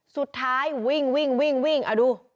สุดท้ายวิ่งลู